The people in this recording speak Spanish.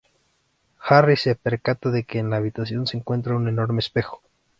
Harry se percata de que en la habitación se encuentra un enorme espejo.